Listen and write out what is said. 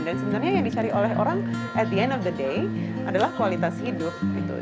dan sebenarnya yang dicari oleh orang at the end of the day adalah kualitas hidup